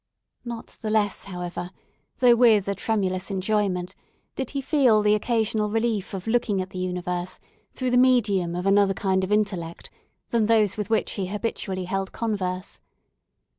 Not the less, however, though with a tremulous enjoyment, did he feel the occasional relief of looking at the universe through the medium of another kind of intellect than those with which he habitually held converse.